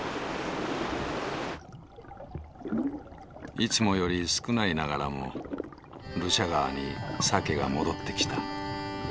いつもより少ないながらもルシャ川にサケが戻ってきた。